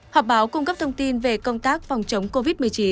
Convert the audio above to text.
họp báo cung cấp thông tin về công tác phòng chống covid một mươi chín